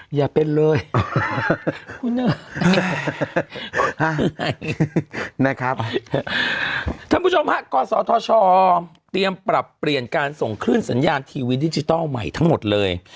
อย่าเป็นเลยนะครับท่านผู้ชมฮะกศธชเตรียมปรับเปลี่ยนการส่งคลื่นสัญญาณทีวีดิจิทัลใหม่ทั้งหมดเลย